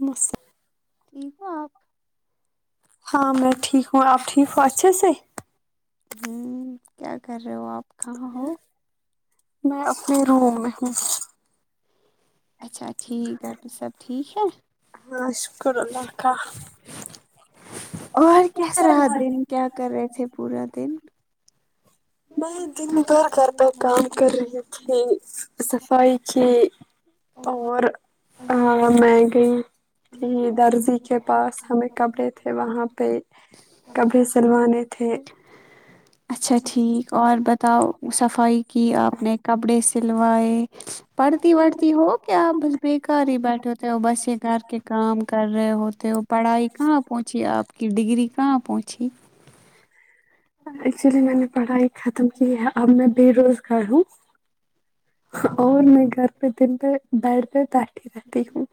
مس ٹھیک ہو آپ ہاں میں ٹھیک ہوں آپ ٹھیک ہو اچھے سے ہوں کیا کر رہے ہو آپ کہاں ہو میں اپنے روم میں ہوں اچھا ٹھیک ہے گھر پے سب ٹھیک ہے ہاں شکر اللہ کا اور کہ رہا دن کیا کر رہے تھے پورا دن میں دن بھر گھر کا کام کر رہی تھی صفائی کی اور ہا میگی درزی کے پاس ہمیں کپڑے تھے وہاں پہ کپڑے اور سلوانے تھے اچھا ٹھیک اور بتاؤ صفائی کہ آپ نے کپڑے سلوائے پڑھتی وڑھتی ہو کیا بےیکار ہی بیٹھے ہوتے ہو بس یہ گھر کے کام کر رہے ہوتے ہو پڑھائی کہاں پہنچی آپ کی ڈگری کہاں پہنچھی ایکچولی میں نے پڑھائی ختم کی ہے اب میں بے روزگار ہوں اور میں گھر پہ دن پہ بیڈ پے بیٹھی رہتی ہوں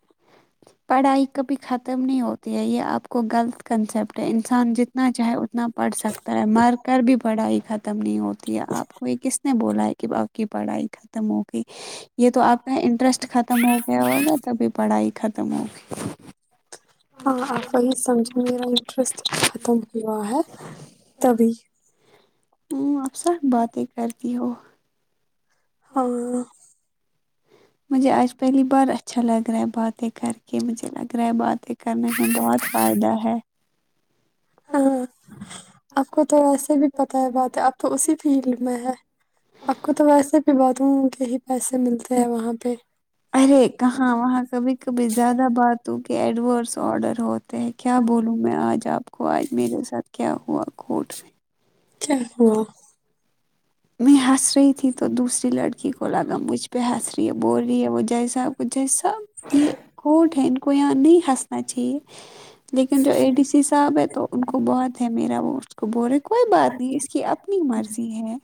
پڑھائی کبھی ختم نہیں ہوتی ہے یہ آپ کو غلط کنسپٹ ہے انسان جتنا چاہے اتنا پڑھ سکتا ہے مر کر بھی پڑھائی ختم نہیں ہو دیا آپ کو یہ کس نے بولا ہے کہ آپ کی پڑھائی ختم ہو یہ تو آپ کا انٹرسٹ ختم ہو گیا ہوگا تبھی پڑھائی ختم ہوگی ہاں آپ وہی سمجھے میرا انٹرسٹ ختم ہوا ہے تبھی ہوں اکثر باتیں کرتی ہو ہوں مجھے آج پہلی بار اچھا لگ رہا ہے بات بے کار کے مجھے لگ رہا ہے باتیں کرنے میں بہت فائد ہے ہاں آپ کو تو ویسے بھی پتہ ہے بات ہے اب تو اسی فیلڈ میں ہے آپ کو تو ویسے باتوں کے ہی پیسے ملتے ہیں وہاں پہ ارے کہاں وہاں کبھی کبھی زیادہ بات ہو کہ ایڈورس آڈر ہوت کیا بولوں میں آج آپ کو آج میرے ساتھ کیا ہوا کورٹ میں کیا ہوا میں ہنس رہی تھی تو دوسری لڑکی کو لگا مجھ پہ ہنس رہی ہے بول رہی ہے وہ جیسا اپکو جیسا یہ کورٹ ہے ان کو یہاں نہیں ہنسنا چاہیے لیکن جو اے ڈی سی صاحب ہے تو ان کو بہت ہے میرا وہ اس کو بولے کوئی بات نہیں اس کی اپنی مرضی ہے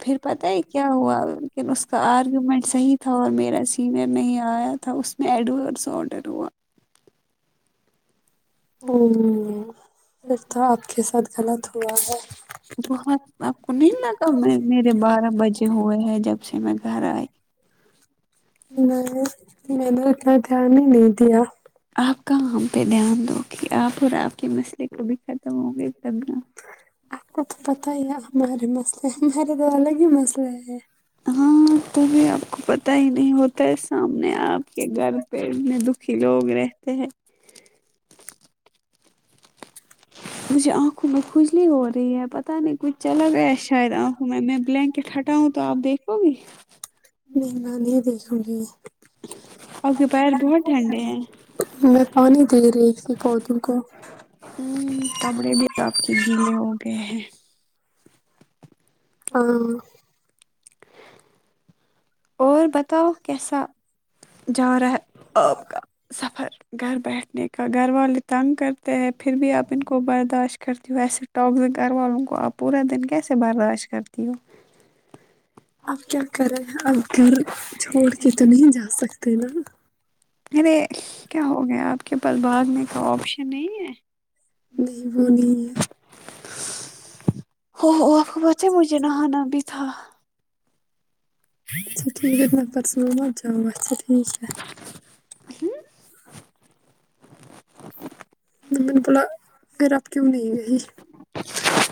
پھر پتہ ہے کیا ہوا لیکن اس کا آرگومنٹ صحیح تھا اور میرا سینئر نہیں آیا تھا اس اییڈورس آڈر ہوا امم پھر تو آپ کے ساتھ غلط ہوا ہے بہت آپ کو نہیں لگا میں میرے بارہ بجے ہوئے ہیں جب سے میں گھر آئی میں نے میں نے اتنا دھیان ہی نہیں دیا آپ کا وہم پہ دھیان دو گی آپ اور آپ کے مسئلے کو بھی ختم ہوں گے تبھی آپ کا تو پتہ ہی ہے ہمارے مسئلے ہمارے تو الگ ہی مسئلے ہیں ہاں تبھی آپ کو پتا ہی نہیں ہوتا ہے سامنے آپ کے گھر پیڑ میں دک کہ لوگ رہتے ہیں مجھے اہ میں کھجلی ہو رہی ہے پتہ نہیں کچھ چلا گیا ہے شاید آنکھوں میں میں بلینکٹ ہٹاوں تو آپ دیکھو گی نہیں نہیں میں دیکھوں گی آپ کے پیر بہت ٹھنڈے ہیں میں پانی دے رہی تھی پودوں کو ہوں کمڑے بھی آپ کے گیلے ہو گئے ہیں ہوں اور بتاؤ کیسا جا رہا ہے آپ کا سفر گھر بیٹھنے کا گھر والے تنگ کرتے ہیں پھر بھی اب ان کو برداشت کرتی ہوں ویسے تو گر والوں کو آپ پورا دن کیسے برداشت کرتی ہو اب کیا کرے اب گھر چھوڑ کے تو نہیں جا سکتے نا ارے کیا ہو گیا آپ کے پاس بعد میں کا آپشن نہیں ہے نہیں وہ نہی ہے ہو آپ کو پتہ ہے مجھے نہانا بھی تھا اچھا ٹھیک ہے نفرس مت چل اچھا ٹھیک ہے تو میں نے بولا پھر اب کیوں نہیں گی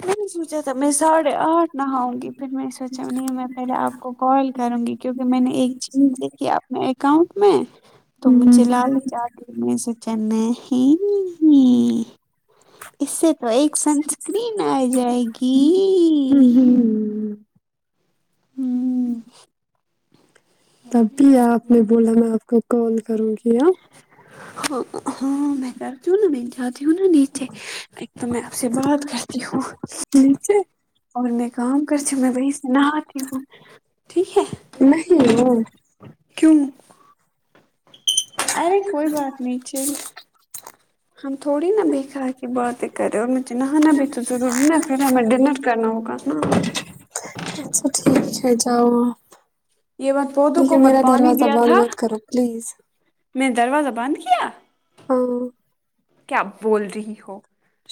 میں نے سوچا تھا میں ساڑھے آٹھ نہاؤں گی پھر میں نے سوچا نہیں میں پہلے آپ کو کال کروں گی کیونکہ میں نے ایک چیز دیکھی اپنے اکاؤنٹ میں تو م چ ہوں لال چا کے میں نے سونچا نہیییی اس سے تو ایک سنسکرین آجائے گی ہوں ہوں ہمم تب بھی آپ نے بولا میں آپ کو کال کروں گی آ ہاں میں کرتی ہوں نا میں جانتی ہوں نا نیچے ایک تو میں سے بات کرتی ہوں نیچے اور میں کام کرتی ہوں میں وہیں سے نہاتی ہوں ٹھیک ہے نہیں ہو کیوں ارے کوئی بات نہیں چل ہم تھوڑی نا بیکار کی باتیں کرے رہے ہو اور مجھے نہ نا بھی تو ضرور نا پھر ہمیں ڈنر کرنا ہوگا نا اچھا ٹھیک ہے جاؤ آپ یہ بات پودوں ٹھیک کو ہے میرا مت پانی دروازہ دیا بند تھا مت کرو پلیز میں نے دروازہ بند کیا ہاں کیا بول رہی ہو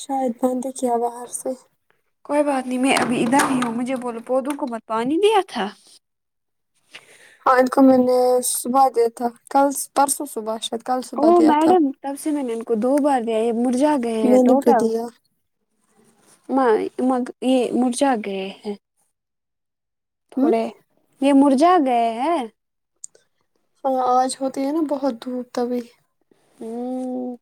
شاید بند ہی کیا باہر سے کوئی بات نہیں میں ابھی ادھر ہی ہوں مجھے بولو پودوں کو مت پانی دیا تھا ہاں ان کو میں نے صبح دیا تھا کل پرسوں صبح شاید کل او صبح دیا تھا میڈم تب سے میں نے ان کو دو بار لیا یہ مرجا گئے ہیں میں نے بھی ٹوٹل دیا مائی مگ یہ مرجا گئے ہیں ہوں تھوڑے یہ مرجا گئے ہیں ہاں آج ہوتی ہے نا بہت دھوپ تبھی ہمم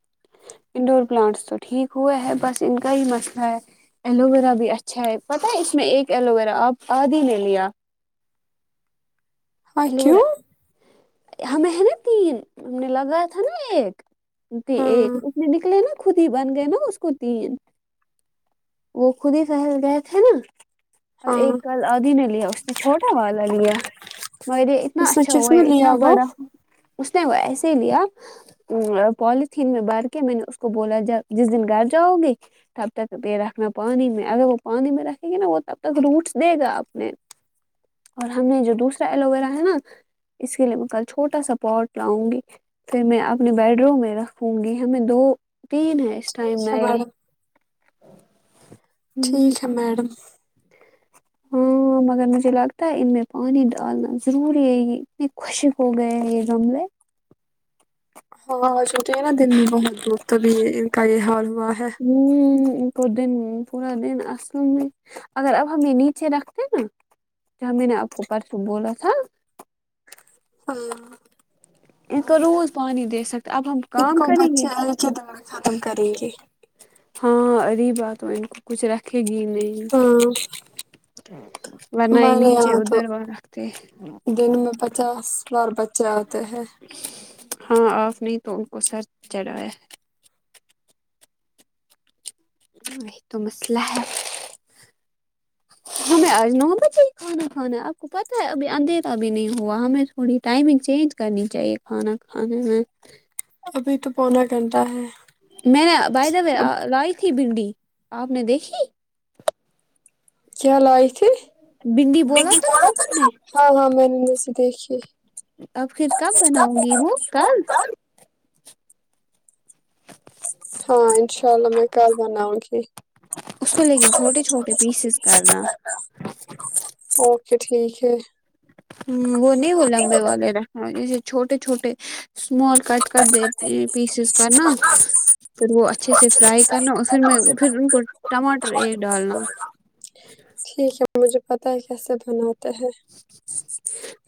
انڈور پلانٹس تو ٹھیک ہوا ہے بس ان کا ہی مسئلہ ہے ایلویرا بھی اچھا ہے پتہ ہے اس میں ایک ایلوویرا آپ آد ہی نے لیا ہاں ایلو کیوں ویرا ہمیں ہے نا تین ہم نے لگایا تھا نا ایک ہاں ایک اس میں نکلے نا خود ہی بن گئے نا اس کو تین وہ خود ہی سہل گئے تھے نا اب ہاں ایک کال آدی نے لیا اس نے چھوٹا والا لیا مگر یہ اتنا اس نے اچھا کس ہوا میں اتنا لیا وہ بڑا اس نے وہ ایسے ہی لیا پولتھین میں بار کے میں نے اس کو بولا جس دن گھر جاؤ گے تب تک پے رکھنا پانی میں اگر وہ پانی میں رکھیں گے نا وہ تب تک روٹس دے گا اپنے اور ہم نے جو دوسرا ایلو ویرا ہے نا اس کے لیے میں کل چھوٹا سا پاٹ لاؤں گی پھر میں اپنے بیڈ روم میں رکھوں گی ہمیں دو تین ہیں اس ٹائم ٹھیک ہے نئے میڈم ٹھیک ہے میڈم ہمم ہو مگر مجھے لگتا ہے ان میں پانی ڈالنا ضروری ہے یہ اتنے خشک ہو گئے یہ گملے ہاں چک ہے نا دن میں بہت دھوپ تبھی یہ ان کا یہ حال ہوا ہے ہمم ان کو دن پورا دن اصل میں اگر اب ہمیں نیچے رکھتے نا تو ہم میں نے آپ کو پرسوں بولا تھا ہاں ان کا روز پانی دے سکتا اب ہم کام کریں گے کی دوا کھانا ہم کریں گے ہاں اریبا تو ان کو کچھ رکھے گی نہیں ہاں ورنہ یہ ہمارے نیچے یہاں تو ادھر وہ رکھتے دن میں پچاس ور بچے آتے ہیں ہاں آپ نے ہی تو ان کو سر چڑھایا ہے وہی تو مسئلہ ہے ہمیں آج نو بجے ہی کھانا کھانا ہے آپ کو پتہ ہے ابھی اندھیرا اب نہیں ہوا ہمیں تھوڑی ٹائمنگ چینج کرنی چاہیے کانا کھانے میں ابھی تو پونا گھنٹہ ہے میں نےبائی دا وے اب لائی تھی بھنڈی آپ نے دیکھی کیا لائے تھے بھنڈی بولا تھا نا ہاں ہاں میں نے ویسے دیکھی اب پھر کب بناؤں گی وہ کل ہاں انشاء اللہ میں کل بناؤں گی اس کو لیکن چھوٹے چھوٹے پیسز کرنا اوکے ٹھیک ہے ہوں وہ نہیں وہ لمبے والے رکھنا جسے چھوٹے چھوٹے اسمال کٹ کر دیتے پیسز کرنا پھر وہ اچھے سے فرائی کرنا اور پھر میں پھر ان کو ٹماٹر ایک ڈالنا ٹھیک ہے مجھے پتا ہے کیسے بناتے ہیں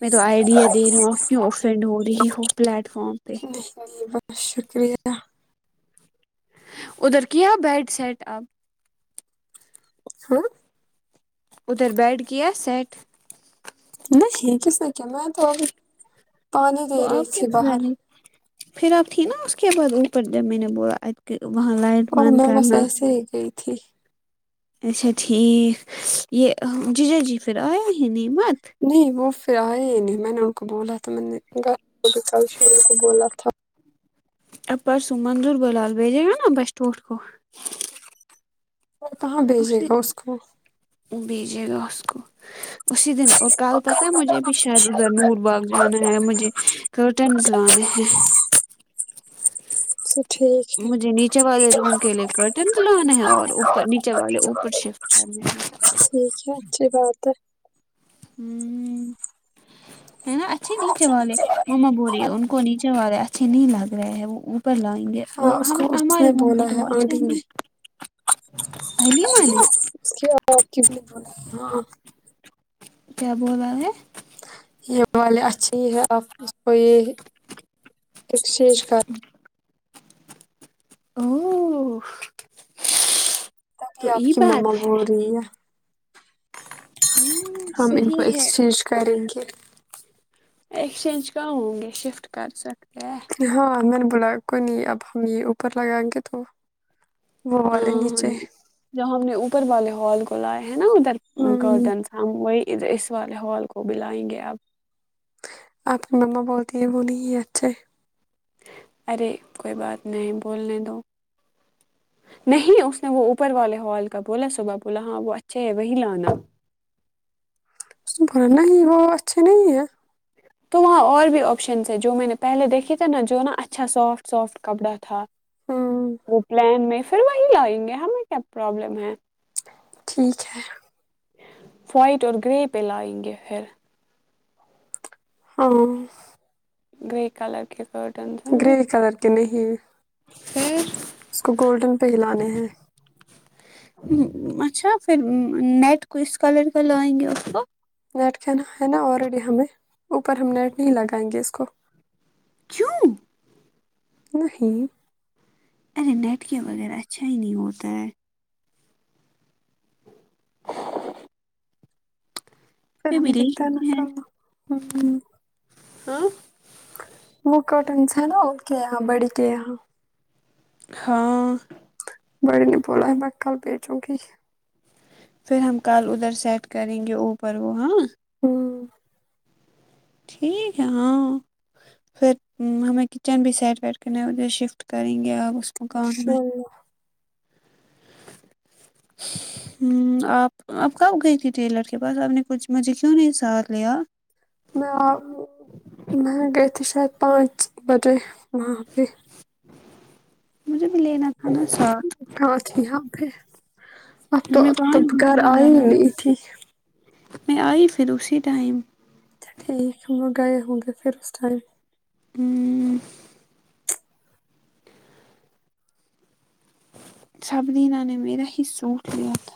میں تو آئیڈیا دے رہی ہوں آپ کیوں افنڈ ہو رہی ہو پلیٹ فارم پہ بہت شکریہ ادھر کیا بیڈ سیٹ اب ہاں ادھر بیڈ کیا سیٹ نہیں کس نے کیا میں تو اب پانی تو دے رہی آپ کیا تھی کر باہر رہے پھر اب تھی نا اس کے بعد اوپر جب میں نے بولا وہاں لائٹ بند کرنا جی جی ٹھیک اچھا ٹھیک یہ جیجاجی پھر آیا ہی نعمت نہیں وہ پھر آئے ہی نہیں میں نے ان کو بولا تھا میں دیکھو گا بھی کل سے ان کو بولا تھا اب پر سوں مندور بلال بھیجے گا نا بس ٹور کو وہ کہاں بھیجے اسے گا اس کو بھیجے گا اسکو اسی دن اور کل پتہ ہے مجھے بھی شاید ادھر نور باغ جانا ہے مجھے کرٹنز لانے ہیں سے ٹھیک ہے مجھے نیچے والے روم کے لیے کرٹنز لانے ہیں اور اوپر نیچے والے اوپر شفٹ کرنے ٹھیک ہے اچھی بات ہے ہوں ہے نا اچھے نیچے والے مما بولیے ان کو نیچے والے اچھے نہیں لگ رہے ہے وہ لائیں گے ہاں وہ اس کو اس ہمارے نے روم بولا کو تو ہے وہ اچھے ہوں آنٹی نے گے ابھی مانے ک ب ہاں [unintelligible] کیا بول رہا ہے یہ والے اچھی ہی ہے آپ اس کو یہ ایکسچینج کر [unintelligible] او تب تو ہی آپ یہ کی مما بات بول ہ رہی ہے ہم ان کو صحیح ہے ایکسچینج کریں گے ایکسچینج کہاں ہوں گے شفٹ کر سکتے ہیں ہاں میں نے بولا کوئی نہیں اب ہم یہ اوپر لگائیں گے تو وہ والے نیچے جہاں ہم نے اوپر والے ہال کو لائے ہیں نا ادھر ہوں کرٹنس ہم وہی اس والے ہال کو بلائیں گے اب آپ کی مما بولتی ہے وہ نہیں اچھے ارے کوئی بات نہیں بولنے دو نہیں اس نے وہ اوپر والے ہال کا بولا صبح بولا ہاں وہ اچھے ہے وہی لانا [unintelligible] پور نہیں وہ اچھے نہیں ہے تو وہاں اور بھی آپشنس ہے جو میں نے پہلے دیکھے تھے نا جو نا اچھا سافٹ سافٹ کپڑا تھا ہوں وہ پلان میں پھر وہی آئیں گے ہمیں کیا پرابلم ہے ٹھیک ہے وائٹ اور گرے پہ لائیں گے پھر ہاں گرے کلر کی کٹ گرے کلر کے نہیں پھر اس کو گولڈن پہ ہلانے ہیں اچھا پھر نیٹ کس کلر کا لائیں گے اس کو نیٹ کہ نہ ہے نا آلریڈی ہمیں اوپر ہم نیٹ نہیں لگائیں گے اس کو کیوں نہیں ارے نیٹ کے وغیرہ اچھا ہی نہیں ہوتا ہے پھر ہم دیکھتے ہیں نا [unintelligible] ہاں وہ کرٹنس ہے نا ان کے یہاں بڑی کے یہاں ہاں بڑی نے بولا ہے میں کل بیچوں گی پھر ہم کل ادھر سیٹ کریں گے اوپر وہ ہاں ہوں ٹھیک ہے ہاں پھر ہمیں کچن بھی سیٹ ویٹ کے نہیں اے شفٹ کریں گے آپ اس مکان میں اللہ [unintelligible] ہمم آپ اپ کب گئی تھی ٹیلر کے پاس آپ نے کچھ مجھے کیوں نہیں ساتھ لیا میں میں گئے تھی شاید پانچ بجے وہاں پہ مجھے بھی لینا تھا نا ساتھ [unintelligible] پھر اب تو میں تب پانچ دن کے گھر لیے آئی جا ہی رہا ہوں۔ نہیں تھی میں آئی پھر اسی ٹائم ٹھیک میں گئے ہوں گے پھر اس ٹائم ہوں سبرینا نے میرا ہی سوٹ لیا تھا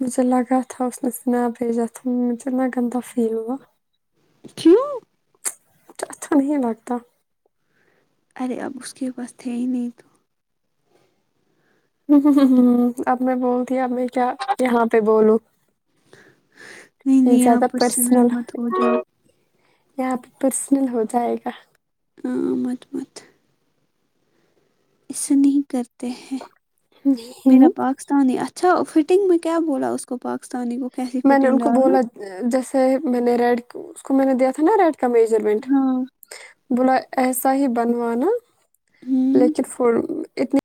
مجھے لگا تھا اس نےسنیپ بھیجا تھا مجھے گندا فیل ہوا کیوں مجھے اچھا نہیں لگتا ارے اب اس کے پاس تھے ہی نہیں تو اب میں بولتی اب میں کیا یہاں پہ بولوں نہیں یہ نہیں زیادہ آپ پرسنل مت ہو جاؤ یہاں پرسنل ہو جائے گا ہاں مت مت ایسے نہیں کرتے ہیں نہیں میرا پاک ستانی اچھا فٹنگ میں کیا بولا اس کو پاکستانی کو کیسی میں نے فٹنگ ان کو ڈالنا بولا جیسے میں نے ریڈ اس کو میں نے دیا تھا نا ریڈ کا میجرمنٹ ہاں بولا ایسا ہی بنوانا ہوں لیکن فول اتنے